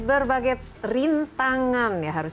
berbagai rintangan yang harus